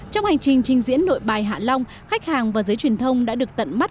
trong hành trình trình diễn nội bài hạ long khách hàng và giới truyền thông đã được tận mắt